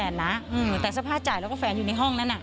อืมแต่เสื้อผ้าจ่ายแล้วก็แฟนอยู่ในห้องนั้นน่ะ